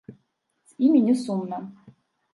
З імі не сумна.